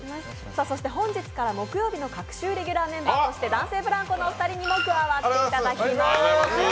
そして本日から木曜日の隔週新レギュラー男性ブランコのお二人にも加わっていただきます。